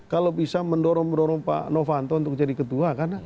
kalau bisa mendorong mendorong pak novanto untuk jadi ketua